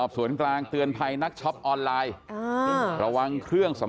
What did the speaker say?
ดูค่ะแต่ดีฉันไม่ได้ดูเนื้อครีม